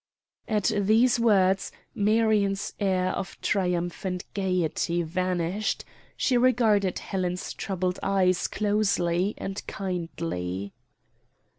At these words Marion's air of triumphant gayety vanished; she regarded Helen's troubled eyes closely and kindly.